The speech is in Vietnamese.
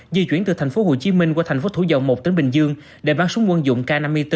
di chuyển từ tp hcm qua tp thủ dầu một tỉnh bình dương để bán súng quân dụng k năm mươi bốn